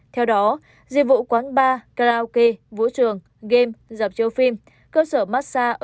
theo đó dịch vụ quán bar karaoke vũ trường game dạp chiếu phim cơ sở massage